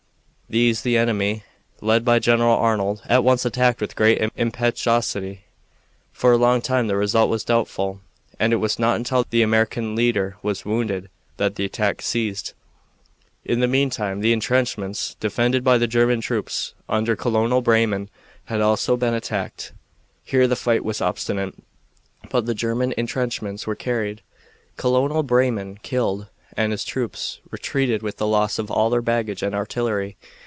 These the enemy, led by General Arnold, at once attacked with great impetuosity. For a long time the result was doubtful, and it was not until the American leader was wounded that the attack ceased. In the meantime the intrenchments defended by the German troops under Colonel Breyman had also been attacked. Here the fight was obstinate, but the German intrenchments were carried, Colonel Breyman killed, and his troops retreated with the loss of all their baggage and artillery.